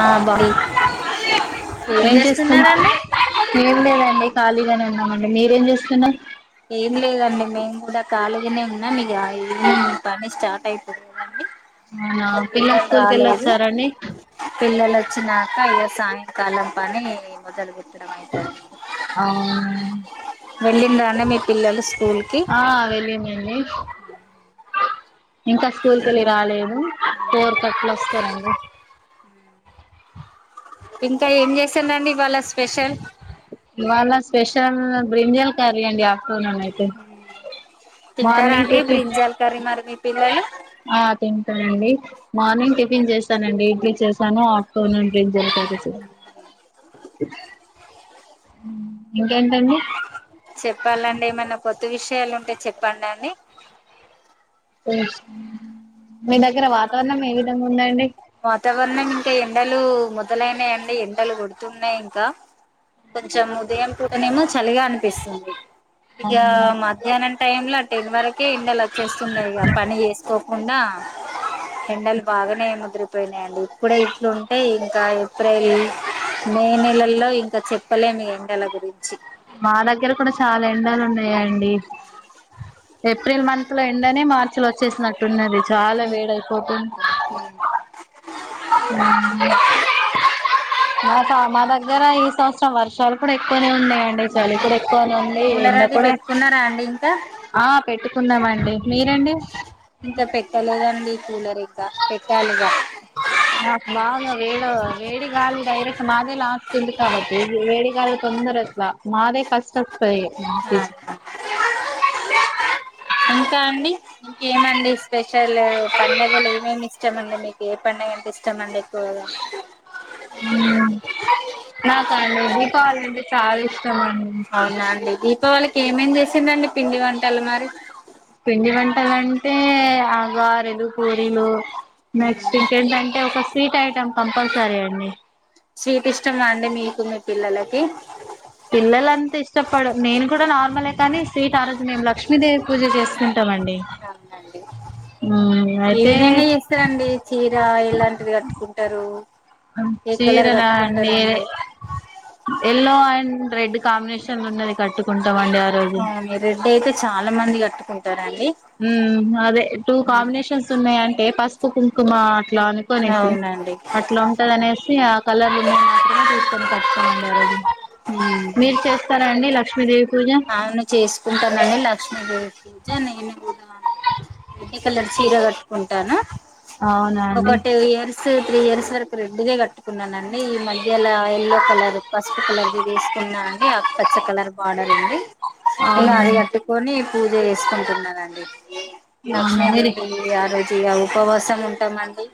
ఆ బరి [unintelligible] ఏం చేస్తం ఏం లేదండి ఖాళీగానే మండి మీరేం చేస్తున్నరు ఏం లేదండి మేము కూడా ఖాళీ గానే ఉన్నా మీకు ఆ ఈవినింగ్ మీ పని స్టార్ట్ అయిపోదు కదా అవునా ఇంకా పిల్లలు స్కూల్ కి రాలేదు వెళ్ళొచ్చారండి పిల్లలు వచ్చినాక ఇగా సాయంత్రము కాలం పని మొదలుగు పెట్టడం అయితదండి వెళ్ళిర్ర అండి పిల్లలు స్కూల్ కి ఆ వెళ్ళిందండి ఇంకా స్కూల్కిళ్ళి రాలేదు ఫోర్ కట్ల వస్తారండి. ఇంకా ఏం చేసాందండి ఇవాళ స్పెషల్ ఇవాళ స్పెషల్ బ్రింజాల కర్రీ అండి ఆఫ్టర్ నూన్ అయితే తింటారా మార్నింగ్ అండి టిఫిన్ బ్రింజాల కర్రీ మరి మీ పిల్లలు ఆ తింటారండి మార్నింగ్ టిఫిన్ చేసి నండి ఇడ్లీ చేశాను ఆఫ్టర్నూన్ బ్రింజాల్ కర్రీ చేస్తాను ఉమ్ చెప్పాలండి ఏమన్నా కొత్త విషయాలు ఉంటే చెప్పండి అడి మీ దగ్గర వాతావరణం ఏ విధంగా ఉందండి వాతావరణం ఇంకా ఎండలు మొదలైనాయండి ఎండలు కొడుతున్నాయి ఇంకా కొంచెం ఉదయం పూటనేమో చలిగా అనిపిస్తుంది ఇక అవునా మధ్యాహ్నం టైమ్ లో టెన్ వరకే ఎండలు వచ్చేస్తున్నాయి ఇక పని చేసుకోకుండా ఎండలు బాగానే ముదరిపోయినాయండి ఇప్పుడే ఇట్లుంటే ఇంకా ఏప్రిల్ మే నెలల్లో ఇంకా చెప్పలేం ఈ ఎండల గురించి మా దగ్గర కూడా చాలా ఎండాలు వున్నాయ్ ఈయండి ఏప్రిల్ మంత్ లో ఎండనే మార్చి లో వచ్చేసినట్టున్నది చాలా వేడి అయిపోతుంది మా మా మాదగ్గర ఈ సంవత్సరం వర్షాలు కూడా ఎక్కువనే ఉన్నాయండి చలి కూడా ఎక్కువనే ఉంది కూలర్ ఎండ అది కూడా పెట్టుకున్నారా అండి ఇంకా ఆ పెట్టు పెట్టుకున్నాం అండి మీరండి ఇంకా పెట్టలేదండి కూలర్ ఇక పెట్టాలిగా నాకు బాగా వేడ వేడిగాలి డైరెక్ట్ మదే లాస్ట్ వుంది కాబట్టి వేడిగాలి తొందరగా ఇట్ల మాదే ఫస్ట్ వొస్తది ఆహా ఇంకా అండి ఇంకేమండి స్పెషల్ పండుగలు ఏమేమి ఇష్టమండి మీకు ఏ పండుగ అంటే ఇష్టమండి. అదా ఉమ్ నాకా అండి దీపావళి అంటే చాలా ఇష్టం అండి అవునా అండి దీపావళికి ఏమేం చేసిండండి పిండి వంటలు మరి పిండి వంటలంటే ఆ గారెలు పూరీలు నెక్స్ట్ ఇంకేంటంటే ఒక స్వీట్ ఐటెం కంపల్సరీ అండి స్వీట్ ఇష్టమా అండి మీకు మీ పిల్లలకి పిల్లలన్ ఇష్టపడు నేను కూడా నార్మలే కానీ స్వీట్ ఆ రోజు మేము లక్ష్మీదేవి పూజ చేసుకుంటాం అండి అండి ఏ విధంగా చేస్తారండి చీర ఎలాంటివి కట్టుకుంటారు ఉమ్ ఏ కలర్ చీరనా అండి కట్టుకుంటారండి ఎల్లో అండ్ రెడ్ కాంబినేషన్ ఉన్నది కట్టుకుంటామండి ఆ రోజు అవును రెడ్ అయితే చాలా మంది కట్టుకుంటారు అం ఉమ్ అదే టూ కాంబినేషన్స్ ఉన్నాయంటే పసుపు కుంకుమ అట్లా అనుకునేసి అవునండి అట్లా ఉంటది అనేసి ఆ కలర్లు మాత్రమే చూసుకొని కట్టుకున్న అండి ఆ రోజు మీరు చేస్తారా అండి లక్ష్మీదేవి పూజ అవును చేసుకుంటానండి లక్ష్మీదేవి పూజ నేను కూడా రెడ్ కలర్ చీర కట్టుకుంటానా అవునా అండి స్ త్రీ ఇయర్స్ వరకు రెడ్ దే కట్టుకున్నానండి ఈ మధ్యలా ఎల్లో కలర్ పసుపు కలర్ది వేసు కున్నా అండి ఆకు పచ్చ కలర్ బార్డర్ అండి ఇంకా అవునా అది కట్టుకొని పూజ చేసుకుంటున్నానండి అవునా మీరి లక్ష్మీదేవి ఆ రోజు ఇగ ఉపవాసం ఉంటామండి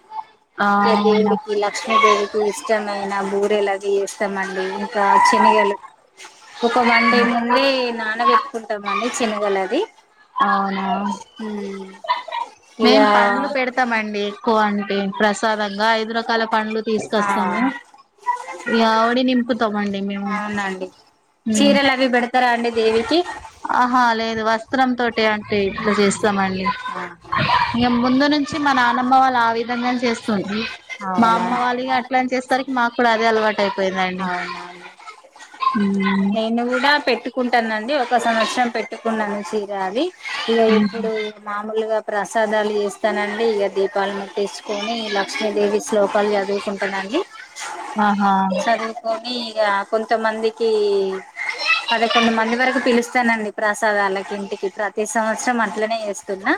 ఏ అవును దేవుడికి లక్ష్మీదేవికి ఇష్టమైన బూరేలవి చేస్తామండి ఇంకా శనగలు ఒక మండి ముందు అది నానబెట్టుకుంటాం అండి చెనగలు అది అవునా అ [inaudible] మేం పండ్లు పెడతామండి ఎక్కువ అంటే ప్రసాదంగా ఐదు రకాల పండ్లు తీసుకొస్తాం అ [unintelligible] యా ఒడి నింపుతామండి మేము అవునండి ఉమ్ చీరలు అవి పెడతారా అండి దేవికి ఆహా లేదు వస్త్రం తోటి అంటే ఇట్లా చేస్తామండి ఆ ఇక ముందు నుంచి మా నానమ్మ వాళ్ళు ఆ విధంగా చేస్తుంటిరి మా అవునా అమ్మ వాళ్ళు ఇగ అట్లా అని చేస్తారు మాకు కూడా అదే అలవాటు అయిపోయిందండి అవునా ఉమ్ నేను కూడా పెట్టుకుంట పెట్టానండి ఒక సంవత్సరం పెట్టుకున్నాను చీర అవి ఇగ ఇప్పుడు మామూలుగా ప్రసాదాలు చేస్తానండి ఇక దీపాలు ముట్టించుకొని లక్ష్మీదేవి శ్లోకాలు చదువుకుంటానండి ఆహా చదువుకొని ఇక కొంతమందికి ఇస్తానండి ప్రసాదాలకి ఇంటికి ప్రతి సంవత్సరం అట్లనే చేస్తున్నా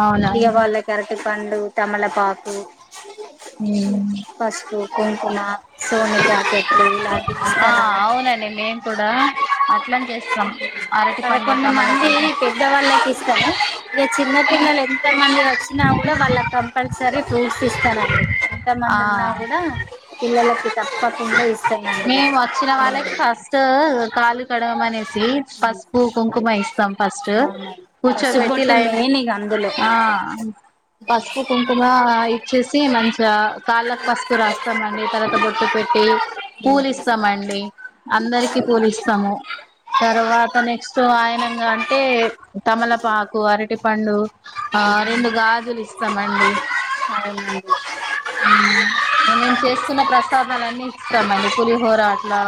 అవునా పండ్లు తమలపాకు పసుపు కుంకుమ సోమిటి ఆకటలు ఇలాంటివి ఆ ఇస్తాన అవునండి నేను కూడా అట్లనే చే పదకొండు మంది పెద్దవాళ్ళకి ఇస్తాను ఇక చిన్నపిల్లలు ఎంత మం ది వచ్చినా కూడా వాళ్ళ కంపల్సరీ ఫ్రూట్స్ ఇ స్తానండి ఎంత ఆ మంది ఉన్నా కూడా పిల్లలకి తప్పకుండా ఇస్ మేము వచ్చిన వాళ్ళకి ఫస్ట్ కాలు కడగమనేసి పసుపు కుంకుమ ఇస్తాం ఫస్ట్ అవునండి కూర్చోబెట్టి పసుబొట్టు లైన్ మెయిన్ ఇక అందులో ఆ పసుపు కుంకుమ ఇచ్చేసి మంచిగా కాళ్ళకి పసుపు రాస్తామండి తర్వాత బొట్టు పెట్టీ ఉమ్ పూలిస్తామండి అందరికి పూలిస్తాము తర్వాత నెక్స్ట్ వచ్చీ వాయనంగా అంటే తమలపాకు అరటి పండు ఆ రెండు గాజులు ఇస్తామండి అవునండి మేము చేసుకున్న ప్రసాదాలన్ని ఇస్తాం అం పులిహోర అట్లా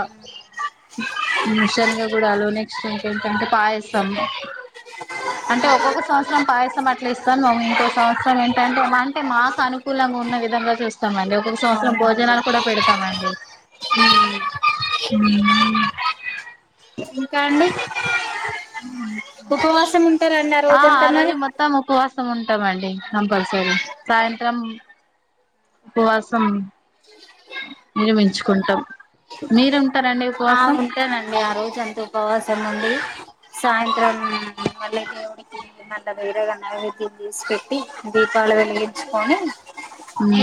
శనగగూడాలు నెక్స్ట్ వచ్చేస్ ఎంట పాయసం అంటే ఒక్కొక్క సంవత్సరం పాయసం అట్లా ఇస్తాను మము ఇంకో సంవత్సరం ఏంటంటే అంటే మాకు అనుకూలంగా ఉన్న విధంగా చూస్తామ అండి ఒకొక్క సంవత్సరం అవునండి భోజనాలు కూడా పెడతామండి హ [inaudible] ఉంటానండి ఉపవాసం ఉంటార ఆ ఆ రోజు మొత్తం ఉపవాసం ఉంటాం మండి నమ్ పరిస ల సాయంత్రం ఉపవాసం నిరుమించుకుంటాం ఆ ఉంటానండి ఆ రోజు అంతే ఉపవాసం ఉండి సాయంత్రం ల్ దేవుడికి మళ్ళా వేరేగా నైవేద్యం తీసి పెట్టి దీపాలు వెలిగించుకొని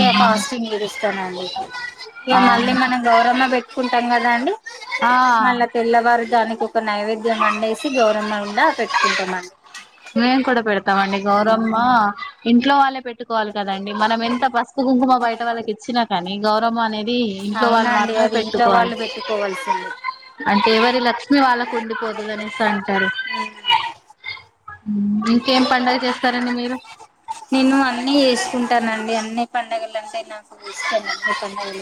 ఇక పాస్టింగ్ విడుస్తామండి ఇక మళ్ళీ అవును మనం గౌరమ్మ పెట్ కుంటాం కదా అండి ఆ మళ్ళ తెల్లవారు జానికి ఒక నైవేద్యం వండేసి గౌరమ్మ కూడా పెట్టుకుంటాము మేం కూడా పెడతామండి గౌరమ్మ ఇంట్లో వాళ్ళే పెట్టుకోవాలి కదండి మనం ఎంత పసుపు కుంకుమ బయట వాళ్ళకి ఇచ్చినా కానీ గౌరవం అనేది ఇంట్లో వాళ్ళు అవునండి మాత్రమే అది ఇంట్లో పెట్టుకోవాల వాళ్ళు పెట్టుకోవాల్సింది అంటే ఎవరి లక్ష్మి వాళ్ళకు ఉండిపోతుంది అనేసి అంటారు ఇంకేం పండగ చేస్తారండి మీరు నేను అన్నీ చేసుకుంటానండి అన్ని పండుగలుంటాయి నాకు ఇష్టంగా ఎప్పట్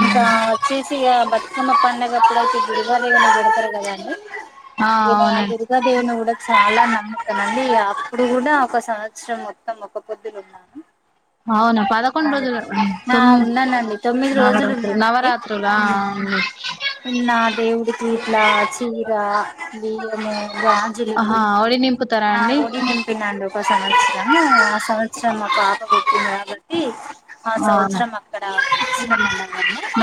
ఇంకా వచ్చేసి ఇగ బతుకమ్మ పండుగప్పుడు అయితే దుర్గాదేవిని పెడతారు కదండి ఈ న ఆ దుర్గాదేవిని కూడా చాలా నమ్ముతానండి అప్పుడు కూడా ఒకసమ సంవత్సరం మొత్తం ఒక్కపొద్దులున్నాను అవునా పదకొండ్ రోజులు ఉ ఆ తోమ్ ఉన్నానండి తొమ్మిది రోజులు నవరాత్ర ఉన్నానండి నవరాత్రులా ఉ ఉన్నదేవుడికి ఇట్లాద్ చీర బియ్యము గాజులు ఆహా ఒడి నింపుతారా ఆ అండి వొడి నింపిన అండి ఒకసారి ము ఆ సంవత్సరం మా పాప పుట్టింది కాబట్టి ఆ అవును సంవత్సరం అక్కడ ఇచ్చినమన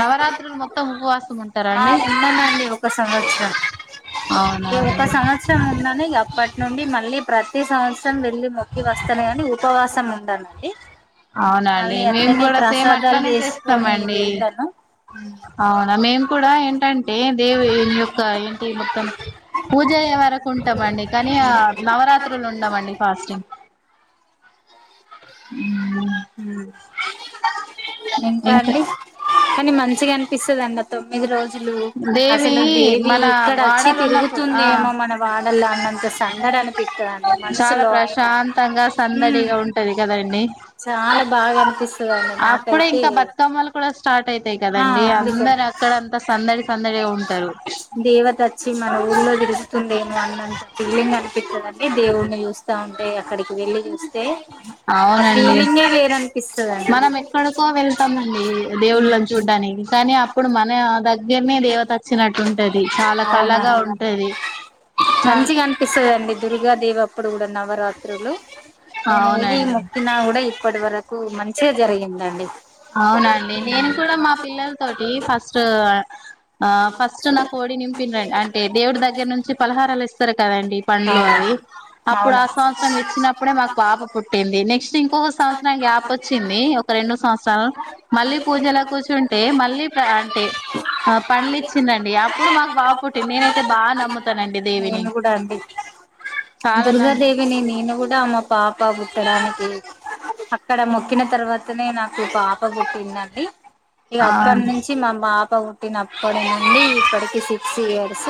నవరాత్రులు మొత్తం ఉపవాసం ఉంటారా అండి ఆలేన్ ఉన్నానండి ఒక సంవత్సరం ఈ ఒక అవునవును సంవత్సరం ఉన్నాను అప్పట్ నుండి మళ్ళీ ప్రతి సంవత్సరం వెళ్ళి మొక్కి వస్తానుగాని ఉపవాసం ఉండనండి అవునఅండి మళ్ళీ మేము అట్లనే కూడా సేమ్ ప్రసాదాలు అట్లానే చేసుకొని చేస్తామండి వెళ్తాను అవునా మేమ్ కూడా ఏంటంటే దేవి యొక్క ఏంటి మొత్తం పూజ ఉండేవరకు ఉంటామండి కానీ నవరాత్రులు ఉండమండి ఫాస్టింగ్ ఇంకా అండి కానీ మంచిగా అనిపిస్తదండి అత్ తొమ్మిది రోజులు దేవి అసలు దేవి మన ఇక్కడ అచ్చి వాడలు ఉన్నప్పుడు ఆ తిరుగుతుందేమో మన వాడలా అన్నట్ ఎంత సందడనిపిత్తదండి చాలా మనసులో అయినా ప్రశాంతంగా ఉ సందడిగా ఉంటది కదండి చాలా బాగా అనిపిస్ అప్పుడే ఇంక బతుకమ్మలు కూడా స్టార్ట్ అయితాయి ఆ కదండి అందుకని అందరు అక్కడ అంతా సందడి సందడిగా ఉంట్ దేవత అచ్చి మన ఊర్లో తిరుగుతుందేమో అన్నంత ఫీలింగ్ అనిపిత్తదండి దేవున్ని చూత్ చూస్తా ఉంటే అక్కడికి వెళ్లి చూస్ అవునండి వేరనిపిస్తదండి మనం ఎక్కడికో వెళ్తామండి దేవుళ్ళని చూడ్డానికి కానీ అప్పుడు మన దగ్ జేమే దేవత వచ్చినట్టు అవునండి చ మంచిగా అనిపిస్తదండి దుర్గా దేవప్పుడు కూడా నవరాత్రులు నేనేది అవునండి మోక్కిన కూడా ఇప్పటి వరకు మంచిగ జరిగిందండి అవునండి నేను కూడా మా పిల్లల్ తోటి ఫస్ట్ ఆ ఫస్ట్ నాకు ఓడి నింపిన్రండి అంటే దేవుడి దగ్గర నుంచి పలహారాలు ఇస్తారు కదండి పండ్లు అవునా అవి అప్పుడు అవునా ఆ సంవత్సరం ఇచ్చినప్పుడే మాక్ పాప పుట్టింది నెక్స్ట్ ఇంకొక సంవత్సరం గ్యాప్ వచ్చింది ఒక రెండు సంవత్సరాలు మళ్ళీ పూజల్ ఇలా కూర్చుంటే మళ్ళీ ప్ర అంటే పాప్ పండ్లు ఇచ్చిండ్లండి అప్పుడు మాకు బాబు పుట్టిండు నేనైతే బాగా నమ్ముతానండి దేవిని నేను కూడా అండి చాలా నమ్ దుర్గాదేవిని నేను కూడా మా పాప పుట్టడానికి అక్కడ మొక్కిన తర్వాతనే నాకు పాప పుట్టిందండి ఇగ అవును అప్పట్నుంచి మా పాప పుట్టినప్పటి నుండి ఇప్పటికి సిక్స్ ఇయర్స్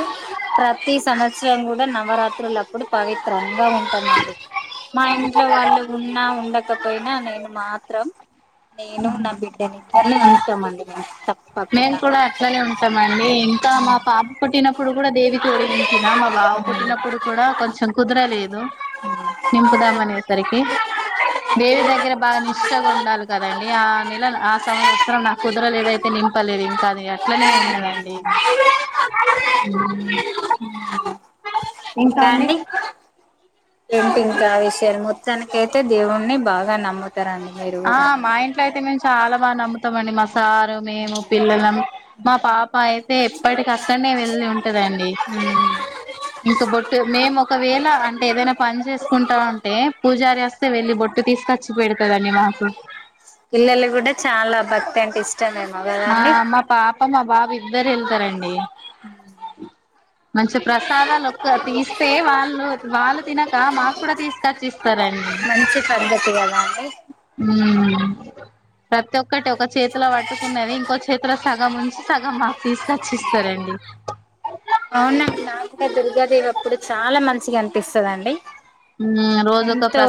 ప్రతి సంవత్సరం కూడా నవరాత్రులప్పుడు పవిత్రం గా ఉంటానండి మా ఇంట్లో వాళ్ళు ఉన్నా ఉండకపోయినా నేను మాత్ త్రం నేను నా బిడ్డని ఇద్దరిని ఉంచుతామండి మేము తప్ మేమ్ కూడా అట్లనే ఉంట్ టమండి అండి ఇంకా మా పాప పుట్టినప్పుడు కూడా దేవికి ఓడి నింపిన మా బాబు పుట్టినప్పుడు కూడా కొంచెం చం కదురలేదు నింపుదామనేరికి దేవి దగ్గర బాగా నిష్టగుండాలి కదండి ఆ నెలన్ ఆ సంవత్సరం నా కుదరలేదైతే నింప్ నింపలేదు ఇంకా అది అట్లనే ఉన్నదండి ఉ ఇంకా అండి ఏంటి ఇంకా ఆ విషయాలు మొత్తానికైతే దేవుణ్ణి బాగా నమ్ముత్ ఆ మా ఇంట్లో అయితే మేము చాలా బాగా నమ్ముతామండి మ సారు మేము పిల్లలం మా పాప అయితే ఎప్పటికక్కడనే వెళ్లి ఉంటదండి ఉమ్ ఇంక బొట్టు మేము ఒకవేళ అంటే ఏదైనా పని చేసుకుంటా ఉంటే పూజారి వస్తే వెళ్ళి బొట్టు తీసు ఖర్చు పెడతుదానివా ఇలల్లో కూడా చాలా భక్తి అంట ఇష్ట నేం ఆ మా పాప మా బాబు ఇద్దరు వెళ్తారండి మంచి ప్రసాదాలు ఒక్కటిస్తే వాళ్ళు వాళ్ళు తినక మాకు కూడా తీసుకొచ్చిస్తారండి మంచి పద్దతిగాల ప్రతి ఒక్కటి ఒక చేతిలో పట్టు న్నది ఇంకో చేతి సగం ఉంచి సగం మాకు తీసుకొచ్చిస్తారండి అవునండి నాకు దుర్గాదేవి అప్పుడు చాలా మంచిగా అనిపిస్తాదండి ఉమ్ ఎంతో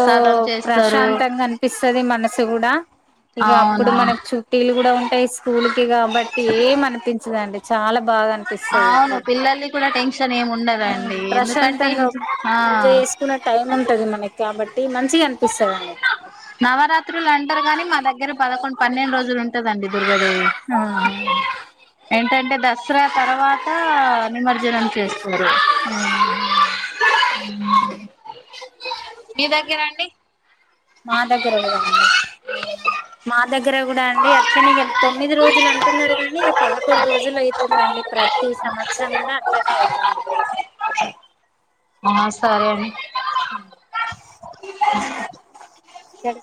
ప్రశాంతంగా అనిపిస్తుది మనసు కూడా ఇక అప్పుడు అవును మనకు చుట్టిలు కూడా ఉంటాయి స్కూల్ కి కాబట్టి ఏం అనిపించదండి చాలా బాగా అనిపిస్తుంది అవును అప్పుడు పిల్లల్ది కూడా టెన్షన్ ఏమి ఉండదండి ఎందుకంటే ప్రశాంతంగా ఇంట్లో ఆ పూజ చేసుకునే టైం ఉంటది మనకి కాబట్టి మంచిగా అనిపిస్తాదండి నవరాత్రులు అంటారు గాని మా దగ్గర పదకొండు పన్నెండు రోజులు ఉంటదండి దుర్గాదేవి ఆహ ఏంటంటే దసరా తర్వాత నిమ్మ జనం చేస్తారు మీ దగ్గరండి మా దగ్గరరోకదంలా మా దగ్గర కూడా అండి అచ్చని తొమ్మిది రోజులు అంటున్నారు కాగానీ ఇక పదకొండు రోజులు అవుతుందిండి ప్రతి ఈ సంవత్సరం కూడా అట్లనే అయిది అ ఆ సరే అండి చెప్